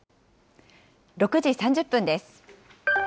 ６時３０分です。